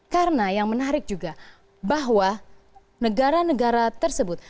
karena yang menarik juga bahwa negara negara tersebut